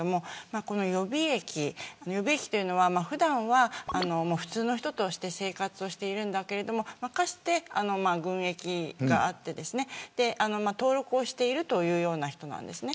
この予備役というのは普段は普通の人として生活をしているんだけれどもかつて軍役があって登録をしているというような人です。